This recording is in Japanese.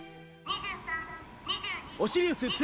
・オシリウス２